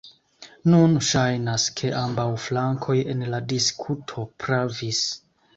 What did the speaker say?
Nun ŝajnas ke ambaŭ flankoj en la diskuto pravis.